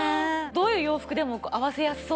どういう洋服でも合わせやすそうですしね。